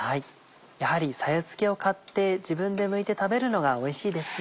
やはりさやつきを買って自分でむいて食べるのがおいしいですね。